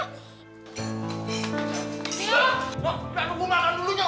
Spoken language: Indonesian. nggak tunggu makan dulunya